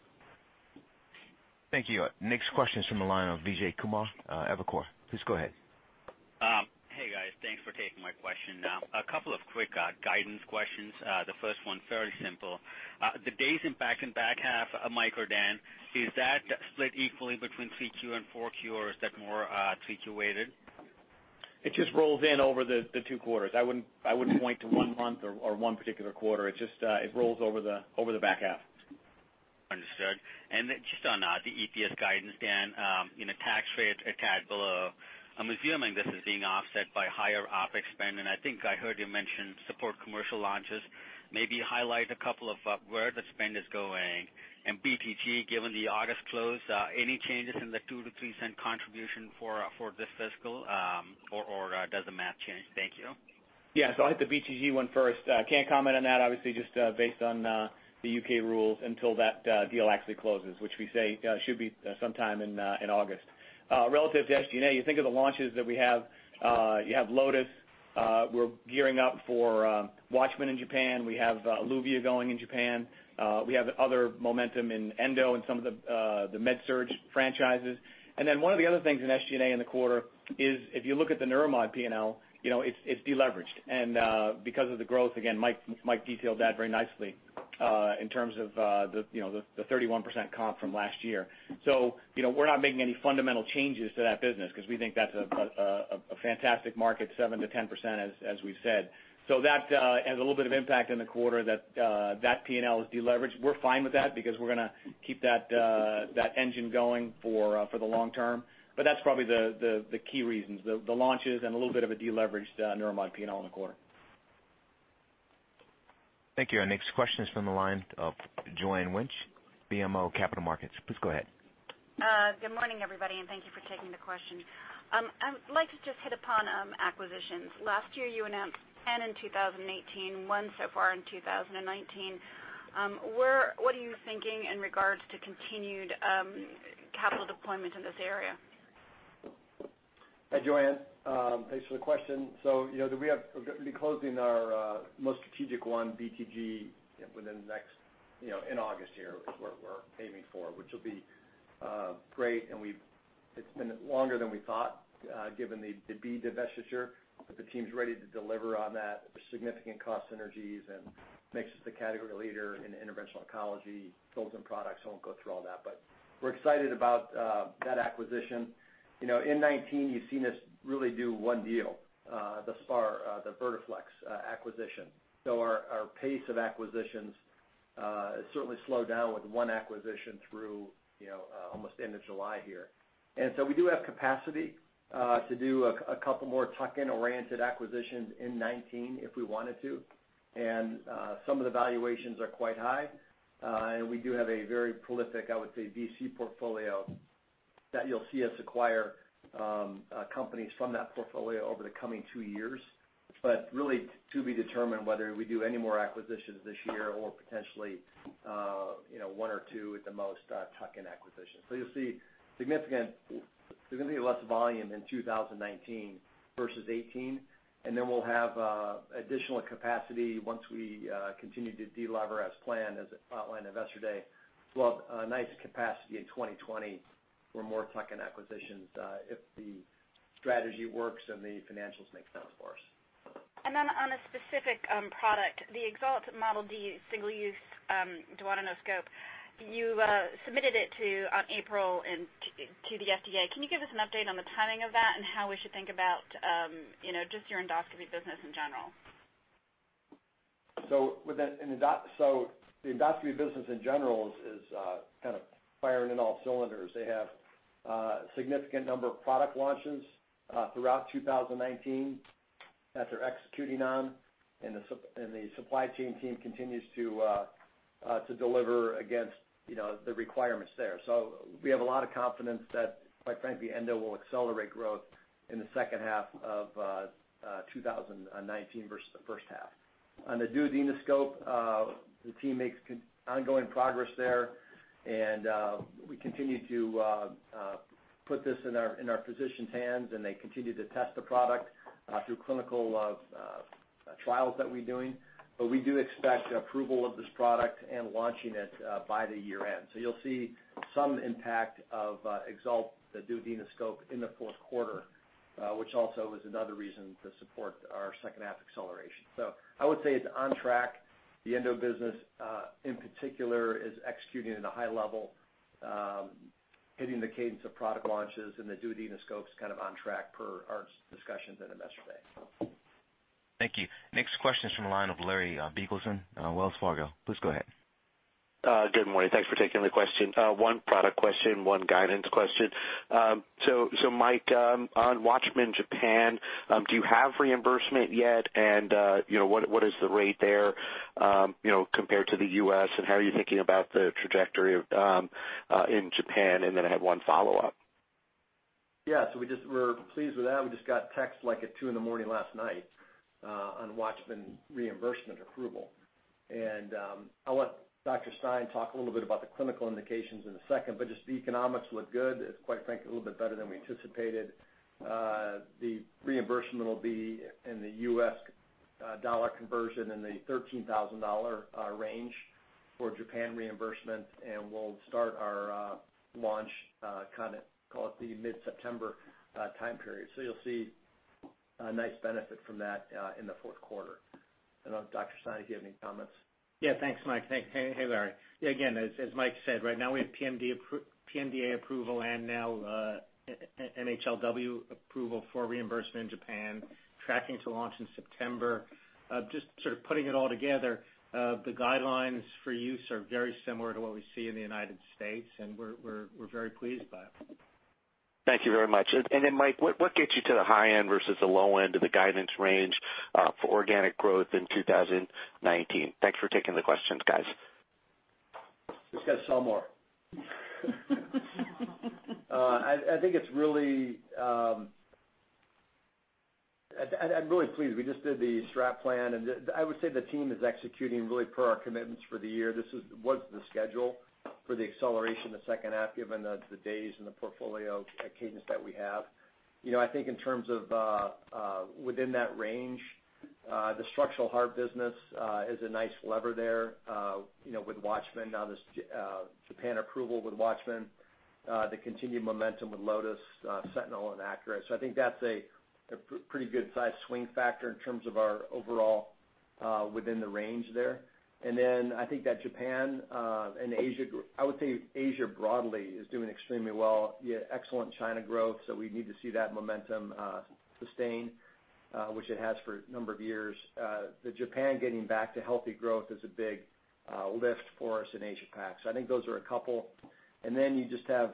Thank you. Next question is from the line of Vijay Kumar, Evercore. Please go ahead. Hey, guys. Thanks for taking my question. A couple of quick guidance questions. The first one, fairly simple. The days in back half, Mike or Dan, is that split equally between 3Q and 4Q or is that more 3Q weighted? It just rolls in over the two quarters. I wouldn't point to one month or one particular quarter. It rolls over the back half. Just on the EPS guidance, Dan, tax rate a tad below. I'm assuming this is being offset by higher OpEx spend, and I think I heard you mention support commercial launches. Maybe highlight a couple of where the spend is going. BTG, given the August close, any changes in the $0.02-$0.03 contribution for this fiscal, or does the math change? Thank you. Yeah, I'll hit the BTG one first. Can't comment on that obviously just based on the U.K. rules until that deal actually closes, which we say should be sometime in August. Relative to SG&A, you think of the launches that we have, you have LOTUS, we're gearing up for WATCHMAN in Japan, we have Eluvia going in Japan. We have other momentum in endo and some of the MedSurg franchises. One of the other things in SG&A in the quarter is if you look at the Neuromod P&L, it's de-leveraged. Because of the growth, again, Mike detailed that very nicely in terms of the 31% comp from last year. We're not making any fundamental changes to that business because we think that's a fantastic market, 7%-10% as we've said. That has a little bit of impact in the quarter that P&L is deleveraged. We're fine with that because we're going to keep that engine going for the long term. That's probably the key reasons, the launches and a little bit of a de-leveraged Neuromod P&L in the quarter. Thank you. Our next question is from the line of Joanne Wuensch, BMO Capital Markets. Please go ahead. Good morning, everybody, and thank you for taking the question. I would like to just hit upon acquisitions. Last year you announced, and in 2018, one so far in 2019. What are you thinking in regards to continued capital deployment in this area? Hi, Joanne. Thanks for the question. We'll be closing our most strategic one, BTG, in August here is what we're aiming for, which will be great. It's been longer than we thought given the bead divestiture. The team's ready to deliver on that. There's significant cost synergies and makes us the category leader in interventional oncology, fills in products. I won't go through all that. We're excited about that acquisition. In 2019 you've seen us really do one deal, thus far, the Vertiflex acquisition. Our pace of acquisitions. It certainly slowed down with one acquisition through almost the end of July here. We do have capacity to do a couple more tuck-in-oriented acquisitions in 2019 if we wanted to. Some of the valuations are quite high. We do have a very prolific, I would say, [VC] portfolio that you'll see us acquire companies from that portfolio over the coming two years. Really to be determined whether we do any more acquisitions this year or potentially one or two at the most tuck-in acquisitions. You'll see significantly less volume in 2019 versus 2018, and then we'll have additional capacity once we continue to de-lever as planned, as outlined at Investor Day. We'll have a nice capacity in 2020 for more tuck-in acquisitions if the strategy works and the financials make sense for us. On a specific product, the EXALT Model D Single-Use Duodenoscope, you submitted it on April to the FDA. Can you give us an update on the timing of that and how we should think about just your endoscopy business in general? The endoscopy business in general is kind of firing in all cylinders. They have a significant number of product launches throughout 2019 that they're executing on, and the supply chain team continues to deliver against the requirements there. We have a lot of confidence that, quite frankly, endo will accelerate growth in the second half of 2019 versus the first half. On the duodenoscope, the team makes ongoing progress there, and we continue to put this in our physicians' hands, and they continue to test the product through clinical trials that we're doing. We do expect approval of this product and launching it by the year-end. You'll see some impact of EXALT, the duodenoscope, in the fourth quarter, which also is another reason to support our second half acceleration. I would say it's on track. The endo business in particular is executing at a high level, hitting the cadence of product launches. The duodenoscope's kind of on track per our discussions at Investor Day. Thank you. Next question is from the line of Larry Biegelsen, Wells Fargo. Please go ahead. Good morning. Thanks for taking the question. One product question, one guidance question. Mike, on WATCHMAN Japan, do you have reimbursement yet? What is the rate there compared to the U.S., and how are you thinking about the trajectory in Japan? I have one follow-up. We're pleased with that. We just got text at 2:00 A.M. last night on WATCHMAN reimbursement approval. I'll let Dr. Stein talk a little bit about the clinical indications in a second, the economics look good. It's quite frankly a little bit better than we anticipated. The reimbursement will be in the USD conversion in the $13,000 range for Japan reimbursement, we'll start our launch kind of, call it the mid-September time period. You'll see a nice benefit from that in the fourth quarter. I don't know, Dr. Stein, if you have any comments. Yeah, thanks, Mike. Hey, Larry. Again, as Mike said, right now we have PMDA approval and now MHLW approval for reimbursement in Japan, tracking to launch in September. Just sort of putting it all together, the guidelines for use are very similar to what we see in the U.S., and we're very pleased by it. Thank you very much. Mike, what gets you to the high end versus the low end of the guidance range for organic growth in 2019? Thanks for taking the questions, guys. Just got to sell more. I'm really pleased. We just did the [strat] plan. I would say the team is executing really per our commitments for the year. This was the schedule for the acceleration the second half, given the days and the portfolio cadence that we have. I think in terms of within that range, the structural heart business is a nice lever there with WATCHMAN. This Japan approval with WATCHMAN, the continued momentum with LOTUS, SENTINEL and ACURATE. I think that's a pretty good size swing factor in terms of our overall within the range there. I think that Japan and Asia, I would say Asia broadly is doing extremely well, excellent China growth. We need to see that momentum sustain, which it has for a number of years. Japan getting back to healthy growth is a big lift for us in Asia-Pac. I think those are a couple. You just have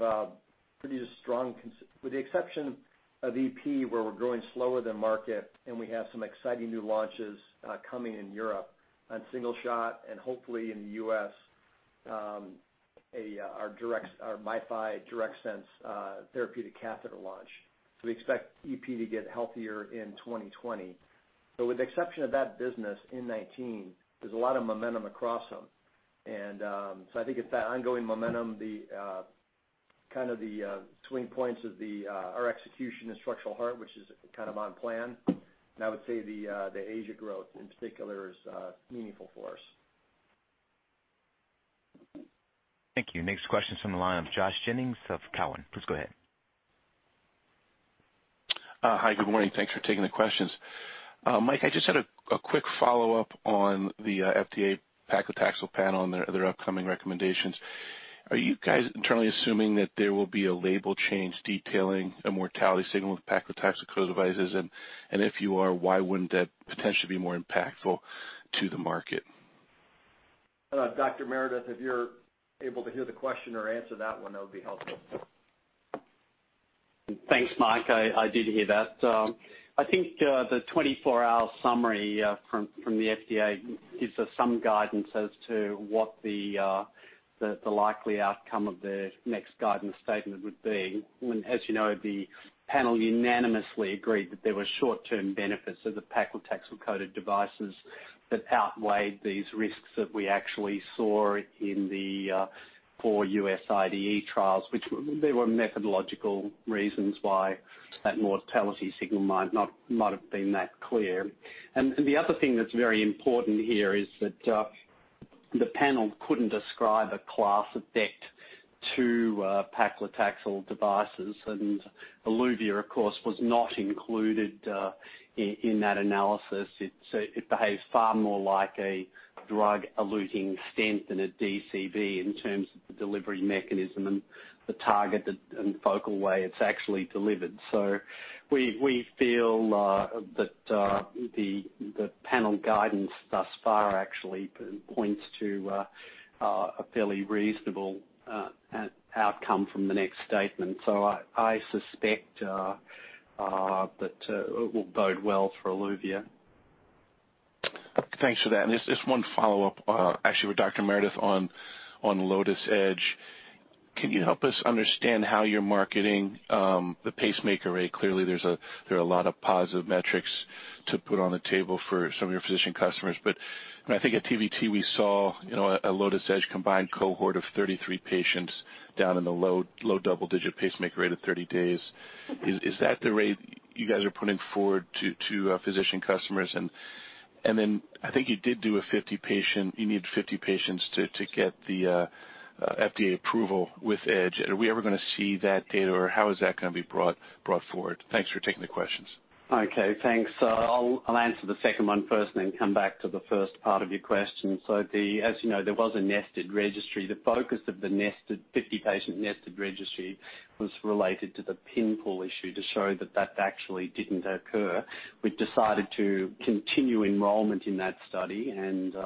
pretty strong, with the exception of EP, where we're growing slower than market and we have some exciting new launches coming in Europe on single shot and hopefully in the U.S., our MiFi DIRECTSENSE therapeutic catheter launch. We expect EP to get healthier in 2020. With the exception of that business in 2019, there's a lot of momentum across them. I think it's that ongoing momentum, kind of the swing points of our execution in structural heart, which is kind of on plan. I would say the Asia growth in particular is meaningful for us. Thank you. Next question is from the line of Josh Jennings of Cowen. Please go ahead. Hi, good morning. Thanks for taking the questions. Mike, I just had a quick follow-up on the FDA paclitaxel panel and their upcoming recommendations. Are you guys internally assuming that there will be a label change detailing a mortality signal with paclitaxel-coated devices? If you are, why wouldn't that potentially be more impactful to the market? Dr. Meredith, if you're able to hear the question or answer that one, that would be helpful. Thanks, Mike. I did hear that. I think the 24-hour summary from the FDA gives us some guidance as to what the likely outcome of the next guidance statement would be. As you know, the panel unanimously agreed that there were short-term benefits of the paclitaxel-coated devices that outweighed these risks that we actually saw in the four U.S. IDE trials, which there were methodological reasons why that mortality signal might have been that clear. The other thing that's very important here is that the panel couldn't ascribe a class effect to paclitaxel devices. Eluvia, of course, was not included in that analysis. It behaves far more like a drug-eluting stent than a DCB in terms of the delivery mechanism and the target and the focal way it's actually delivered. We feel that the panel guidance thus far actually points to a fairly reasonable outcome from the next statement. I suspect that it will bode well for Eluvia. Thanks for that. Just one follow-up actually with Dr. Meredith on LOTUS Edge. Can you help us understand how you're marketing the pacemaker rate? Clearly, there are a lot of positive metrics to put on the table for some of your physician customers. I think at TVT, we saw a LOTUS Edge combined cohort of 33 patients down in the low double-digit pacemaker rate of 30 days. Is that the rate you guys are putting forward to physician customers? Then I think you did do a 50 patient, you need 50 patients to get the FDA approval with Edge. Are we ever going to see that data, or how is that going to be brought forward? Thanks for taking the questions. Okay, thanks. I'll answer the second one first, come back to the first part of your question. As you know, there was a nested registry. The focus of the 50-patient nested registry was related to the pin pull issue to show that actually didn't occur. We've decided to continue enrollment in that study, and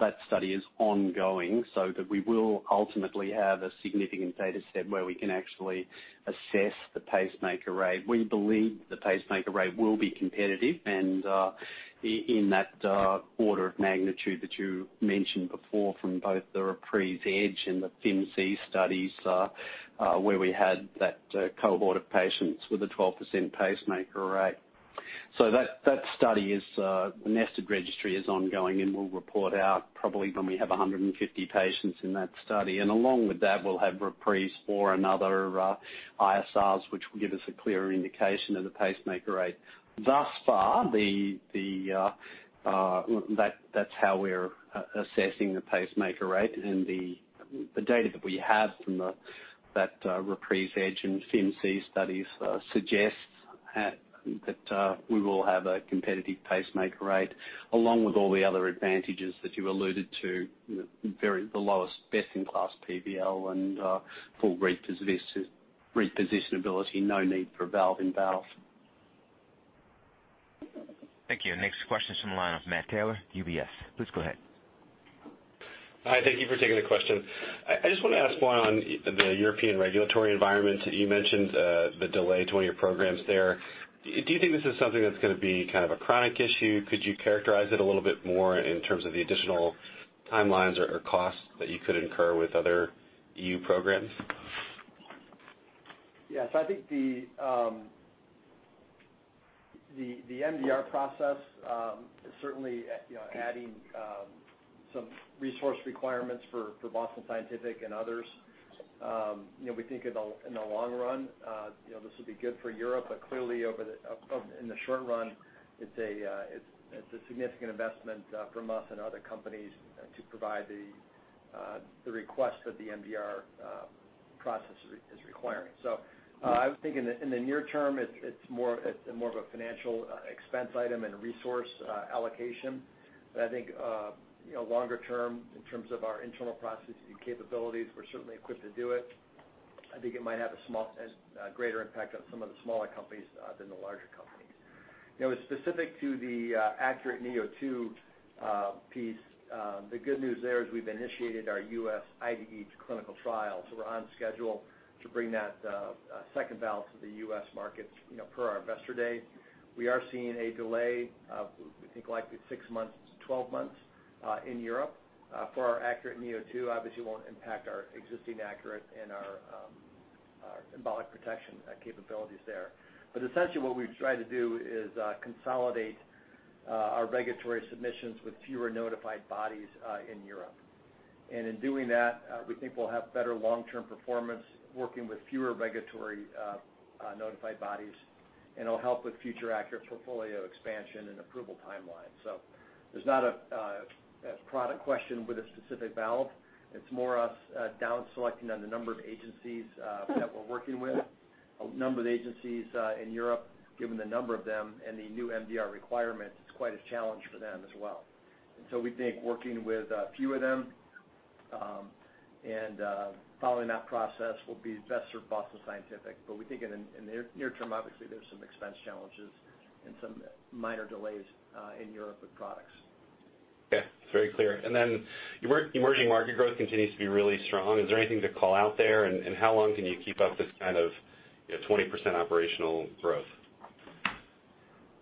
that study is ongoing, so that we will ultimately have a significant data set where we can actually assess the pacemaker rate. We believe the pacemaker rate will be competitive and in that order of magnitude that you mentioned before from both the REPRISE Edge and the [FIN-Z] studies, where we had that cohort of patients with a 12% pacemaker rate. The nested registry is ongoing, and we'll report out probably when we have 150 patients in that study. Along with that, we'll have REPRISE or another ISR, which will give us a clear indication of the pacemaker rate. Thus far, that's how we're assessing the pacemaker rate. The data that we have from that REPRISE Edge and [FIN-Z] studies suggests that we will have a competitive pacemaker rate, along with all the other advantages that you alluded to, the lowest best-in-class PBL and full repositionability, no need for valve-in-valve. Thank you. Next question's from the line of Matt Taylor, UBS. Please go ahead. Hi, thank you for taking the question. I just want to ask more on the European regulatory environment. You mentioned the delay to one of your programs there. Do you think this is something that's going to be kind of a chronic issue? Could you characterize it a little bit more in terms of the additional timelines or costs that you could incur with other EU programs? Yes, I think the MDR process is certainly adding some resource requirements for Boston Scientific and others. We think in the long run this will be good for Europe, clearly in the short run, it's a significant investment from us and other companies to provide the requests that the MDR process is requiring. I would think in the near term, it's more of a financial expense item and a resource allocation. I think longer term, in terms of our internal processes and capabilities, we're certainly equipped to do it. I think it might have a greater impact on some of the smaller companies than the larger companies. Specific to the ACURATE neo2 piece, the good news there is we've initiated our U.S. IDE clinical trial, we're on schedule to bring that second valve to the U.S. market per our Investor Day. We are seeing a delay of, we think, likely six months to 12 months in Europe for our ACURATE neo2. Obviously, it won't impact our existing ACURATE and our embolic protection capabilities there. Essentially, what we've tried to do is consolidate our regulatory submissions with fewer notified bodies in Europe. In doing that, we think we'll have better long-term performance working with fewer regulatory notified bodies, and it'll help with future ACURATE portfolio expansion and approval timelines. There's not a product question with a specific valve. It's more us down selecting on the number of agencies that we're working with. A number of agencies, in Europe, given the number of them and the new MDR requirements, it's quite a challenge for them as well. We think working with a few of them, and following that process will be best for Boston Scientific. We think in the near term, obviously, there's some expense challenges and some minor delays, in Europe with products. Okay. It's very clear. Emerging market growth continues to be really strong. Is there anything to call out there? How long can you keep up this kind of 20% operational growth?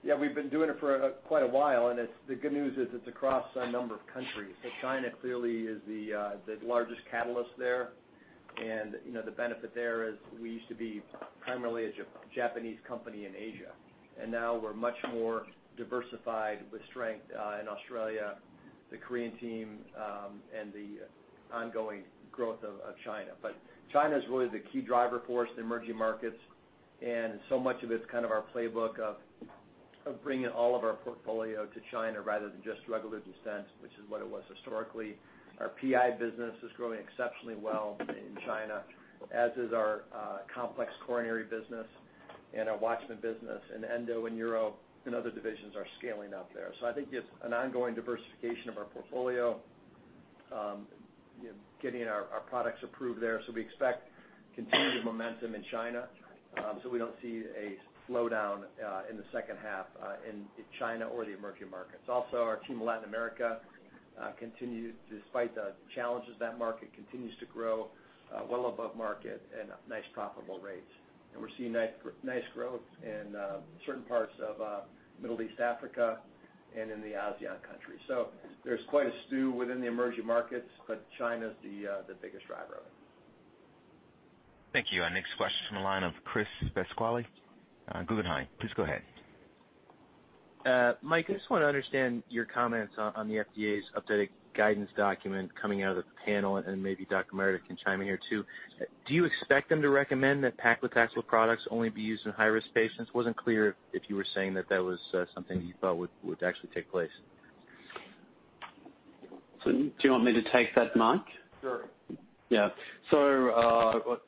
We've been doing it for quite a while. The good news is it's across a number of countries. China clearly is the largest catalyst there. The benefit there is we used to be primarily a Japanese company in Asia, and now we're much more diversified with strength, in Australia, the Korean team, and the ongoing growth of China. China is really the key driver for us in emerging markets, and so much of it's kind of our playbook of bringing all of our portfolio to China rather than just drug-eluting stents, which is what it was historically. Our PI business is growing exceptionally well in China, as is our complex coronary business and our WATCHMAN business and endo and UroPH and other divisions are scaling up there. I think it's an ongoing diversification of our portfolio, getting our products approved there. We expect continued momentum in China, so we don't see a slowdown in the second half in China or the emerging markets. Also, our team in Latin America, despite the challenges, that market continues to grow well above market and at nice profitable rates. We're seeing nice growth in certain parts of Middle East Africa and in the ASEAN countries. There's quite a stew within the emerging markets, but China's the biggest driver of it. Thank you. Our next question is from the line of Chris Pasquale on Guggenheim. Please go ahead. Mike, I just want to understand your comments on the FDA's updated guidance document coming out of the panel, and maybe Dr. Meredith can chime in here too. Do you expect them to recommend that paclitaxel products only be used in high-risk patients? Wasn't clear if you were saying that that was something you thought would actually take place. Do you want me to take that, Mike? Sure. Yeah.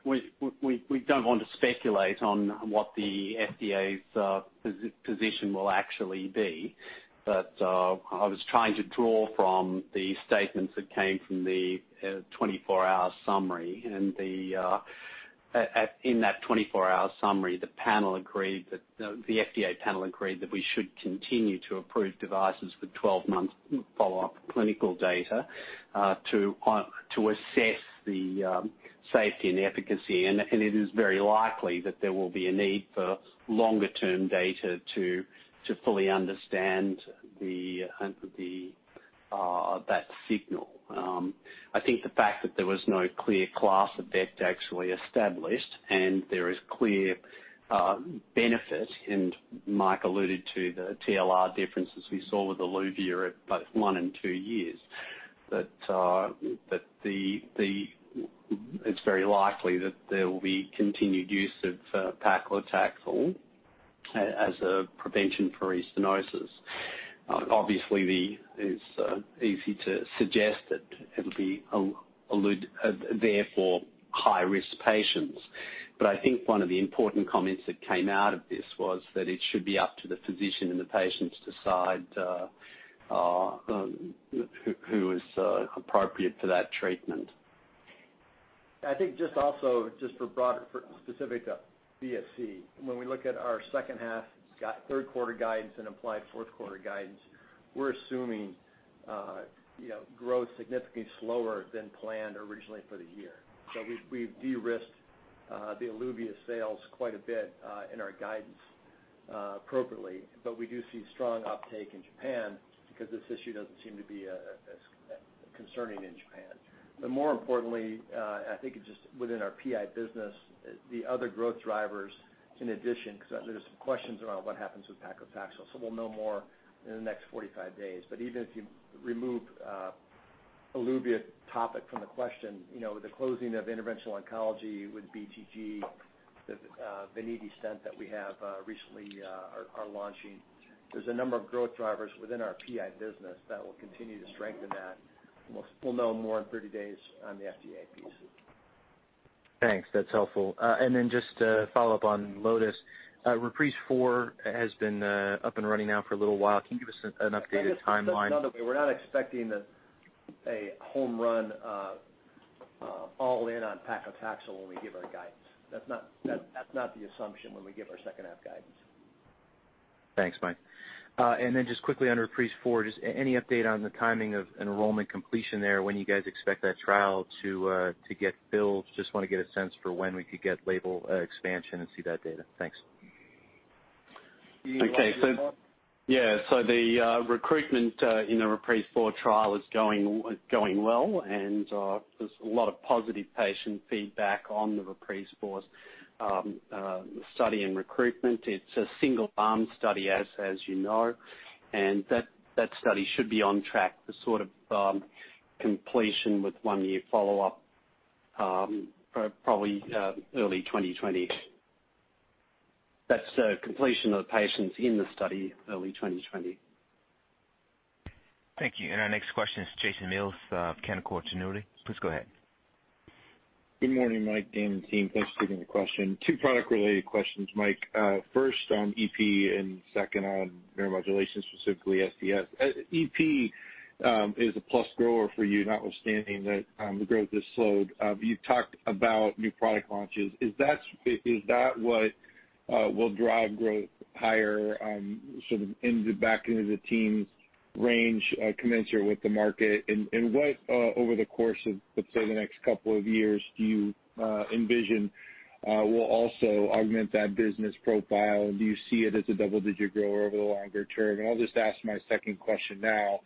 We don't want to speculate on what the FDA's position will actually be. I was trying to draw from the statements that came from the 24-hour summary and in that 24-hour summary, the FDA panel agreed that we should continue to approve devices for 12-month follow-up clinical data, to assess the safety and efficacy. It is very likely that there will be a need for longer-term data to fully understand that signal. I think the fact that there was no clear class [effect] actually established and there is clear benefit, and Mike alluded to the TLR differences we saw with the Eluvia both one and two years, that it's very likely that there will be continued use of paclitaxel as a prevention for restenosis. Obviously, it's easy to suggest that it'll be, therefore, high-risk patients. I think one of the important comments that came out of this was that it should be up to the physician and the patients to decide who is appropriate for that treatment. I think also, just for specific to BSC, when we look at our second half, third quarter guidance and applied fourth quarter guidance, we're assuming growth significantly slower than planned originally for the year. We've de-risked the Eluvia sales quite a bit, in our guidance, appropriately. We do see strong uptake in Japan because this issue doesn't seem to be as concerning in Japan. More importantly, I think it's just within our PI business, the other growth drivers in addition, because there's some questions around what happens with paclitaxel. We'll know more in the next 45 days. Even if you remove Eluvia topic from the question, with the closing of interventional oncology with BTG, the VICI Venous Stent that we have recently are launching. There's a number of growth drivers within our PI business that will continue to strengthen that. We'll know more in 30 days on the FDA piece. Thanks. That's helpful. Just to follow up on LOTUS, REPRISE IV has been up and running now for a little while. Can you give us an updated timeline? Let me put it this other way. We're not expecting a home run all in on paclitaxel when we give our guidance. That's not the assumption when we give our second half guidance. Thanks, Mike. Just quickly under REPRISE IV, just any update on the timing of enrollment completion there, when you guys expect that trial to get filled? Just want to get a sense for when we could get label expansion and see that data. Thanks. Okay. Yeah, the recruitment in the REPRISE IV trial is going well, and there's a lot of positive patient feedback on the REPRISE IV study and recruitment. It's a single-arm study, as you know. That study should be on track for sort of completion with one-year follow-up, probably early 2020. That's completion of the patients in the study early 2020. Thank you. Our next question is Jason Mills of Canaccord Genuity. Please go ahead. Good morning, Mike, Dan, and team. Thanks for taking the question. Two product-related questions, Mike. First on EP and second on Neuromodulation, specifically SCS. EP is a plus grower for you, notwithstanding that the growth has slowed. You've talked about new product launches. Is that what will drive growth higher, sort of back into the team's range, commensurate with the market? What over the course of, let's say, the next couple of years, do you envision will also augment that business profile? Do you see it as a double-digit grower over the longer term? I'll just ask my second question now.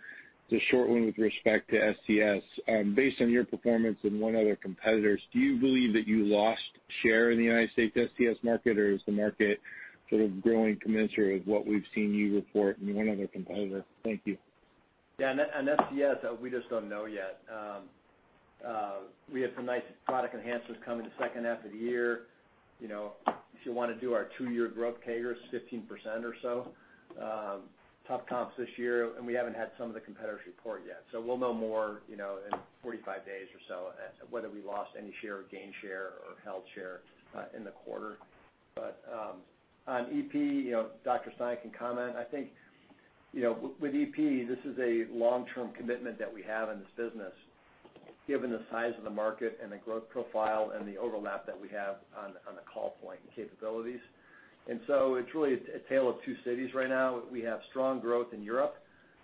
It's a short one with respect to SCS. Based on your performance and one other competitor's, do you believe that you lost share in the U.S. SCS market or is the market sort of growing commensurate with what we've seen you report and one other competitor? Thank you. Yeah. On SCS, we just don't know yet. We have some nice product enhancers coming the second half of the year. If you want to do our two-year growth CAGR, it's 15% or so. Tough comps this year, and we haven't had some of the competitors report yet. We'll know more in 45 days or so whether we lost any share or gained share or held share in the quarter. On EP, Dr. Stein can comment. I think with EP, this is a long-term commitment that we have in this business, given the size of the market and the growth profile and the overlap that we have on the call point and capabilities. It's really a tale of two cities right now. We have strong growth in Europe,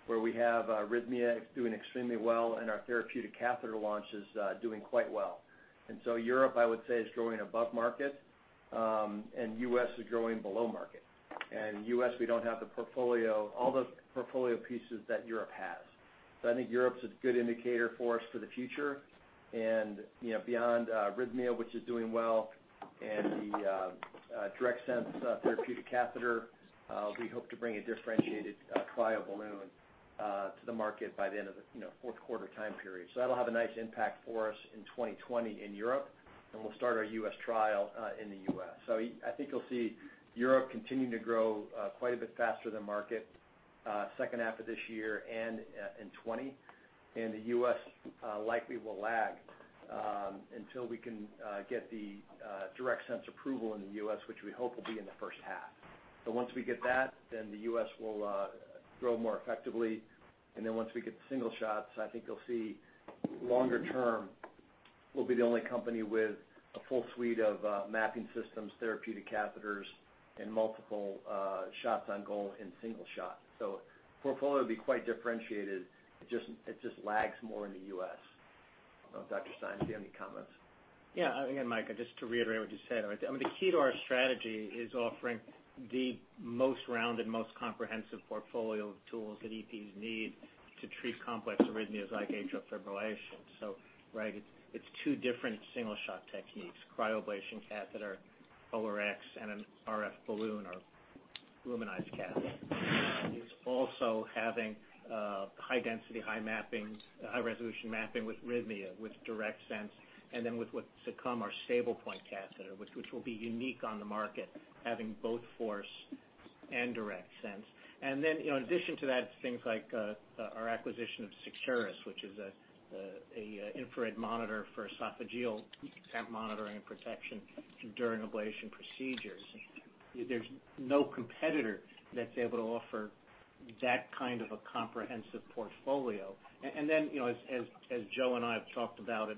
where we have Rhythmia doing extremely well and our therapeutic catheter launch is doing quite well. Europe, I would say, is growing above market. U.S. is growing below market. U.S., we don't have all the portfolio pieces that Europe has. I think Europe's a good indicator for us for the future. Beyond Rhythmia, which is doing well, and the DIRECTSENSE therapeutic catheter, we hope to bring a differentiated cryo balloon to the market by the end of the fourth quarter time period. That'll have a nice impact for us in 2020 in Europe, and we'll start our U.S. trial in the U.S. I think you'll see Europe continuing to grow quite a bit faster than market second half of this year and in 2020. The U.S. likely will lag until we can get the DIRECTSENSE approval in the U.S., which we hope will be in the first half. Once we get that, the U.S. will grow more effectively. Once we get the single shots, I think you'll see longer term we'll be the only company with a full suite of mapping systems, therapeutic catheters, and multiple shots on goal in single shot. The portfolio will be quite differentiated. It just lags more in the U.S. I don't know, Dr. Stein, if you have any comments. Yeah. Again, Mike, just to reiterate what you said. I mean, the key to our strategy is offering the most rounded, most comprehensive portfolio of tools that EPs need to treat complex arrhythmias like atrial fibrillation. Right, it's two different single shot techniques, cryoablation catheter, POLARx, and an RF balloon or LUMINIZE catheter. It's also having high density, high mapping, high-resolution mapping with RHYTHMIA HDx, with DIRECTSENSE, and then with what's to come, our STABLEPOINT catheter, which will be unique on the market, having both force and DIRECTSENSE. In addition to that, things like our acquisition of Securus, which is an infrared monitor for esophageal temp monitoring and protection during ablation procedures. There's no competitor that's able to offer that kind of a comprehensive portfolio. As Joe and I have talked about at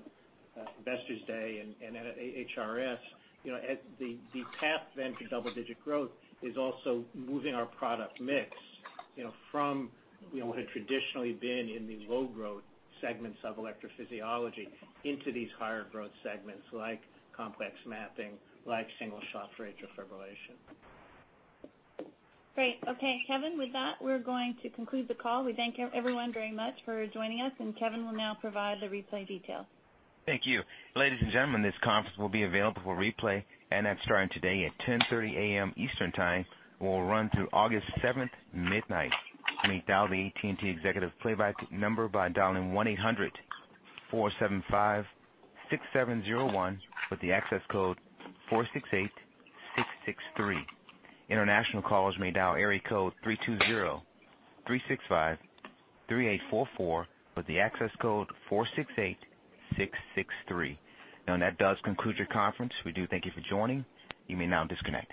Investors Day and at HRS, the path then to double-digit growth is also moving our product mix from what had traditionally been in the low-growth segments of electrophysiology into these higher growth segments like complex mapping, like single shot for atrial fibrillation. Great. Okay, Kevin, with that, we're going to conclude the call. We thank everyone very much for joining us, and Kevin will now provide the replay details. Thank you. Ladies and gentlemen, this conference will be available for replay. That's starting today at 10:30 A.M. Eastern Time and will run through August 7th, midnight. You may dial the AT&T Executive Playback number by dialing 1-800-475-6701 with the access code 468663. International callers may dial area code 320-365-3844 with the access code 468663. That does conclude your conference. We do thank you for joining. You may now disconnect.